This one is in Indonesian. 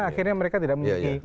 akhirnya mereka tidak memiliki